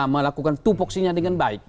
melakukan tupuksinya dengan baik